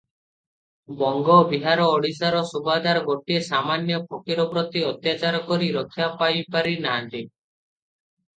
ବଙ୍ଗ, ବିହାର, ଓଡ଼ିଶାର ସୁବାଦାର ଗୋଟିଏ ସାମାନ୍ୟ ଫକୀର ପ୍ରତି ଅତ୍ୟାଚାର କରି ରକ୍ଷା ପାଇପାରି ନାହାନ୍ତି ।